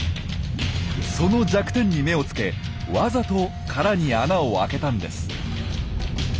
その弱点に目をつけわざと殻に穴を開けたんです。